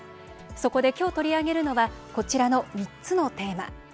そこで今日、取り上げるのはこちらの３つのテーマ。